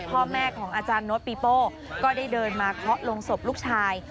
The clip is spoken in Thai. พ่อแม่ของอาจารย์โน้ตปีโป้ก็ได้เดินมาเคาะลงศพลูกชาย